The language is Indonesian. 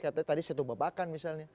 katanya tadi setubabakan misalnya